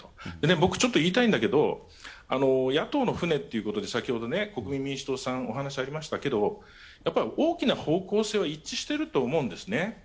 僕、ちょっと言いたいんだけど野党の船っていうことで先ほど国民民主党さんお話ありましたけど、大きな方向性は一致してると思うんですね。